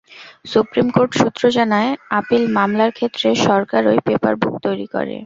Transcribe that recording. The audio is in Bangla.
সুপ্রিম কোর্ট সূত্র জানায়, আপিল মামলার ক্ষেত্রে সরকারই পেপার বুক তৈরি করে।